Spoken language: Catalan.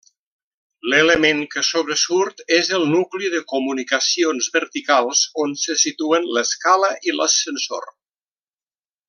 L'element que sobresurt és el nucli de comunicacions verticals on se situen l'escala i l'ascensor.